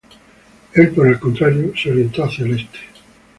Él por el contrario se orientó hacia el Este.